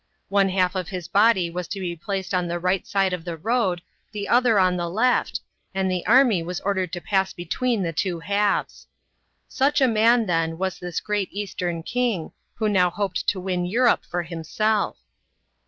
One half of his body was to be placed on the right side of the road, the other on the left, and the army was ordered to pass between the two halves. Such a man, then, was this great Eastern king, who now hoped to win Europe for himself.